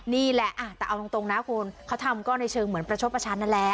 นี่แหละแต่เอาตรงนะคุณเขาทำก็ในเชิงเหมือนประชดประชันนั่นแหละ